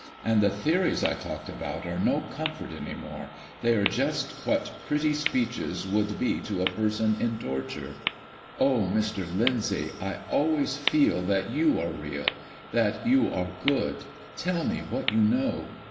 And the theories I talked about are no comfort any more; they are just what pretty speeches would be to a person in torture. Oh, Mr. Lyndsay, I always feel that you are real, that you are good; tell me what you know.